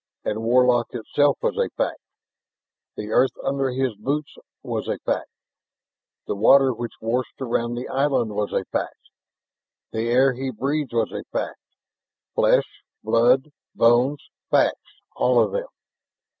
And Warlock itself was a fact. The earth under his boots was a fact. The water which washed around the island was a fact. The air he breathed was a fact. Flesh, blood, bones facts, all of them.